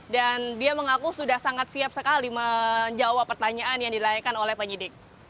dan dia mengaku sudah sangat siap sekali menjawab pertanyaan yang dilahirkan oleh penyidik